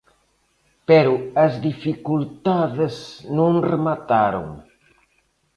Pero as dificultades non remataron.